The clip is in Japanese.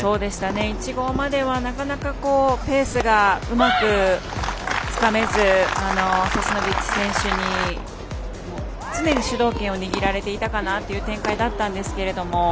１−５までは、なかなかペースがうまくつかめずサスノビッチ選手に常に主導権を握られていたかなという展開だったんですけども。